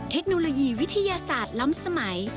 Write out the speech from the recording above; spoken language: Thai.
เทคโนโลยีวิทยาศาสตร์ล้ำสมัย